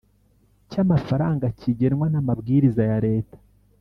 cy amafaranga kigenwa n amabwiriza ya leta